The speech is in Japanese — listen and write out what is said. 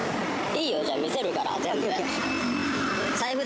いいよ、じゃあ、見せるから、全部。